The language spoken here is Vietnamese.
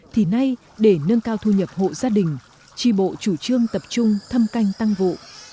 thì nay để nâng cao thu nhập hộ gia đình tri bộ chủ trương tập trung thăm canh tăng vụ